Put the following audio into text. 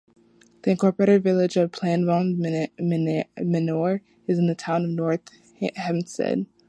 The Incorporated Village of Plandome Manor is in the Town of North Hempstead.